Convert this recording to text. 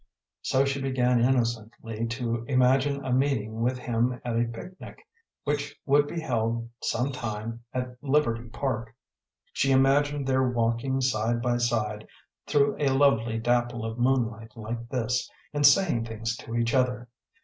So she began innocently to imagine a meeting with him at a picnic which would be held some time at Liberty Park. She imagined their walking side by side, through a lovely dapple of moonlight like this, and saying things to each other.